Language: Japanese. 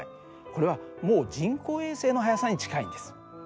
これはもう人工衛星の速さに近いんです。